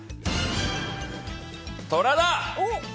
トラだ！